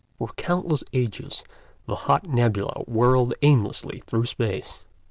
"For countless ages the hot nebula whirled aimlessly through space.